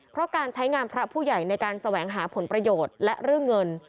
เพราะการใช้งานพระผู้ใหญ่ในการแสวงหาผลประโยชน์และเรื่องเงิน